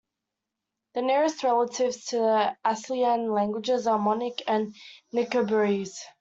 The nearest relatives to the Aslian languages are Monic and Nicobarese.